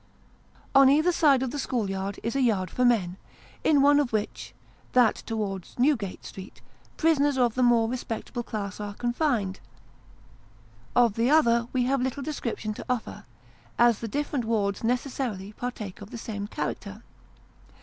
On either side of the school yard is a yard for men, in one of which that towards Newgate Street prisoners of the more respectable class are confined. Of the other, we have little description to offer, as the different wards necessarily partake of the same character.